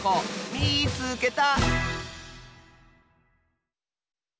「みいつけた！」。